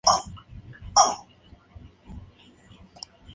Se reconocen diez especies.